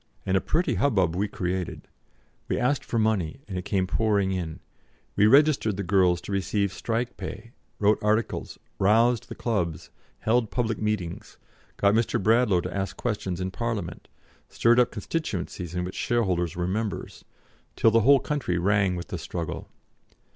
And a pretty hubbub we created; we asked for money, and it came pouring in; we registered the girls to receive strike pay, wrote articles, roused the clubs, held public meetings, got Mr. Bradlaugh to ask questions in Parliament, stirred up constituencies in which shareholders were members, till the whole country rang with the struggle.